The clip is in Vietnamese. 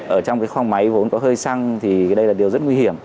ở trong khoang máy vốn có hơi xăng thì đây là điều rất nguy hiểm